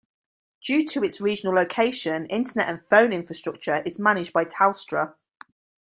Due to its regional location, internet and phone infrastructure is managed by Telstra.